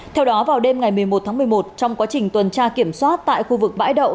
theo đó vào đêm ngày một mươi một tháng một mươi một trong quá trình tuần tra kiểm soát tại khu vực bãi đậu